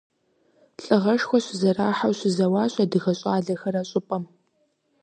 Лӏыгъэшхуэ щызэрахьэу щызэуащ адыгэ щӏалэхэр а щӏыпӏэм.